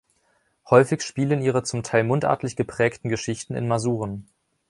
Häufig spielen ihre zum Teil mundartlich geprägten Geschichten in Masuren.